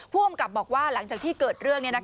ผู้กำกับบอกว่าหลังจากที่เกิดเรื่อง